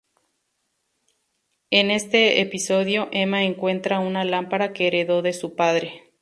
En este episodio Ema encuentra una lámpara que heredó de su padre.